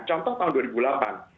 contoh tahun dua ribu delapan